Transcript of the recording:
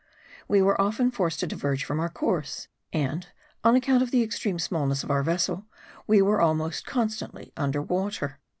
We were often forced to diverge from our course; and, on account of the extreme smallness of our vessel, we were almost constantly under water.